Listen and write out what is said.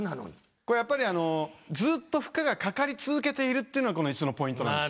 これやっぱりずっと負荷がかかり続けているっていうのがこの椅子のポイントなんです。